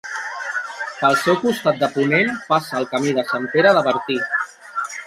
Pel seu costat de ponent passa el Camí de Sant Pere de Bertí.